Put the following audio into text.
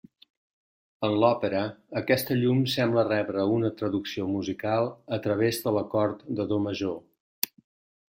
En l'òpera, aquesta llum sembla rebre una traducció musical a través de l'acord de do major.